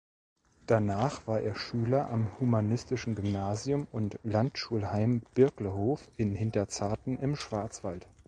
Danach war er Schüler am humanistischen Gymnasium und Landschulheim Birklehof in Hinterzarten im Schwarzwald.